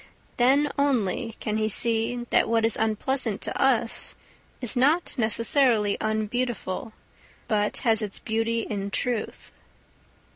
Then only can he see that what is unpleasant to us is not necessarily unbeautiful, but has its beauty in truth.